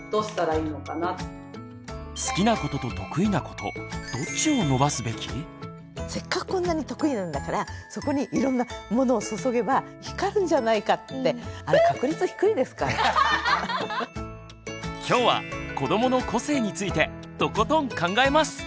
「子どもの個性」を伸ばすにはせっかくこんなに得意なんだからそこにいろんなものを注げば光るんじゃないかってあれきょうは「子どもの個性」についてとことん考えます！